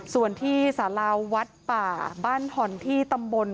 ส่วนที่สาราวัดป่าบ้านถ่อนที่ตำบล